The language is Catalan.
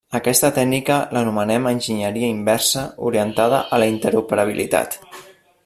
A aquesta tècnica l'anomenem enginyeria inversa orientada a la interoperabilitat.